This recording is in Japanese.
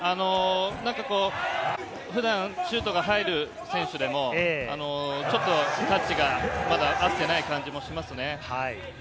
普段シュートが入る選手でもちょっとタッチが合っていない感じもしますね。